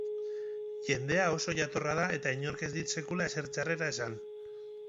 Jendea oso jatorra da eta inork ez dit sekula ezer txarrean esan.